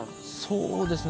そうですね。